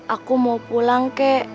aku mau pulang kek